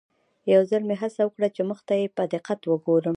یو ځل مې هڅه وکړه چې مخ ته یې په دقت وګورم.